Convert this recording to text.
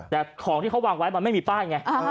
แต่ของที่เขาวางไว้มันไม่มีป้ายไง